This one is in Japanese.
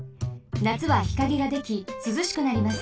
なつは日陰ができすずしくなります。